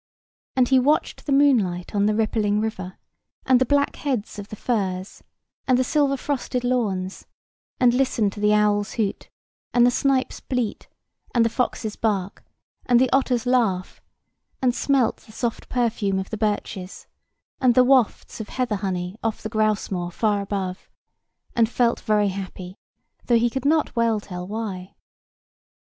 And he watched the moonlight on the rippling river, and the black heads of the firs, and the silver frosted lawns, and listened to the owl's hoot, and the snipe's bleat, and the fox's bark, and the otter's laugh; and smelt the soft perfume of the birches, and the wafts of heather honey off the grouse moor far above; and felt very happy, though he could not well tell why.